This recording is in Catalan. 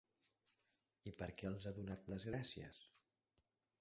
I per què els ha donat les gràcies?